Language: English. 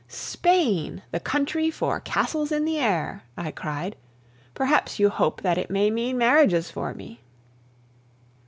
"Spain, the country for castles in the air!" I cried. "Perhaps you hope that it may mean marriages for me!"